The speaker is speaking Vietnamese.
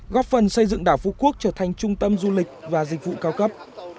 góp phần xây dựng đảo phú quốc trở thành trung tâm du lịch và dịch vụ cao cấp